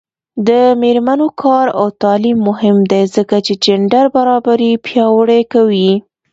د میرمنو کار او تعلیم مهم دی ځکه چې جنډر برابري پیاوړې کوي.